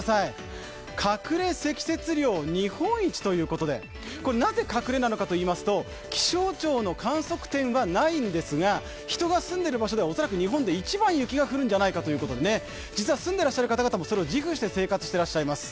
隠れ積雪量日本一ということでなぜ隠れなのかといいますと気象庁の観測地点はないんですが人が住んでいる場所では恐らく日本で一番雪が降る場所ではないかということで実は住んでらっしゃる方々もそれを自負して生活してらっしゃいます。